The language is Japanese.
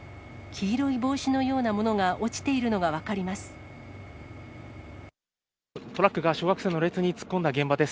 黄色い帽子のようなものが落ちているのが分かります。